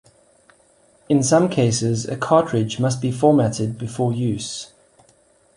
In some cases a cartridge must be formatted before use.